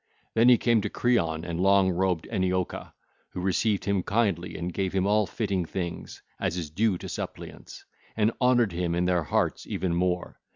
Then he came to Creon and long robed Eniocha, who received him kindly and gave him all fitting things, as is due to suppliants, and honoured him in their hearts even more.